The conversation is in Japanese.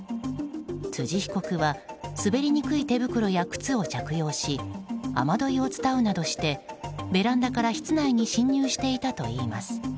辻被告は、滑りにくい手袋や靴を着用し雨どいを伝うなどしてベランダから室内に侵入していたといいます。